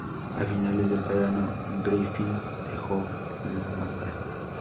A finales del verano, Griffin dejó la banda.